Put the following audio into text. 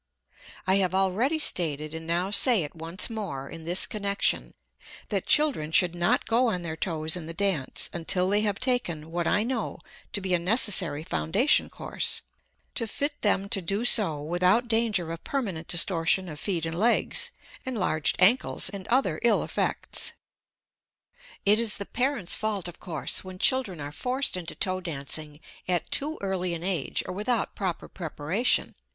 I have already stated and now say it once more in this connection, that children should not go on their toes in the dance until they have taken what I know to be a necessary foundation course, to fit them to do so without danger of permanent distortion of feet and legs, enlarged ankles, and other ill effects. It is the parents' fault, of course, when children are forced into toe dancing at too early an age or without proper preparation.